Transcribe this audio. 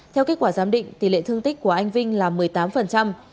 theo kết quả giám định tỷ lệ thương tích của anh vinh là một mươi tám